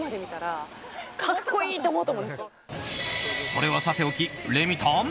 それはさておき、レミたん。